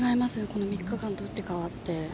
この３日間と打って変わって。